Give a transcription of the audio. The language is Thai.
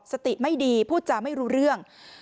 สติไม่ดีพูดจาไม่รู้เรื่อง